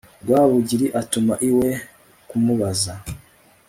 rwabugili atuma iwe kumubaza